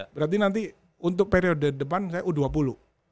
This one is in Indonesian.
berarti nanti untuk periode depan saya u dua puluh